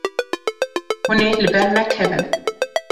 Hûn ê li ber nekevin.